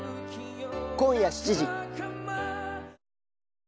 今夜７時。